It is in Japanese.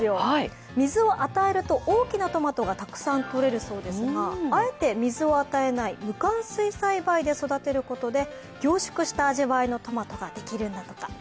水を与えると大きなトマトがたくさんとれるそうですが、あえて水を与えない無かん水栽培で育てることで凝縮した味わいのトマトができるんだとか。